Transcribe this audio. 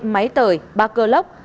hai máy tời ba cơ lốc